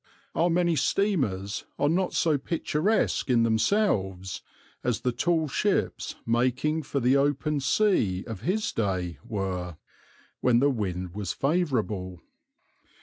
Our many steamers are not so picturesque in themselves as the tall ships making for the open sea of his day were, when the wind was favourable.